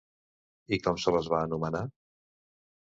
I com se les va anomenar?